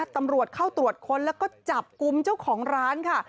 ตำรวจเข้าตรวจค้นแล้วก็จับกลุ่มเจ้าของร้านค่ะ